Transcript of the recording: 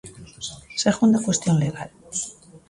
Segunda cuestión legal.